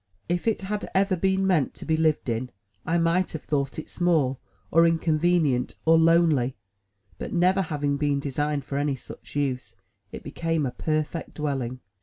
If it had ever been meant to be lived in, I might have thought it small, or inconvenient, or lonely, but never having been designed for any such use, it became a perfect dwelling.